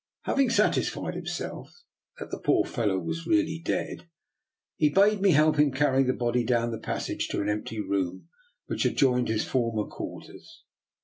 Having satisfied himself that the poor fellow really was dead, he bade me help him carry the body down the passage to an empty room which adjoined his former quar ters.